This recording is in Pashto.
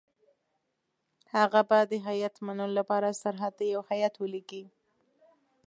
هغه به د هیات منلو لپاره سرحد ته یو هیات ولېږي.